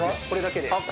これだけで。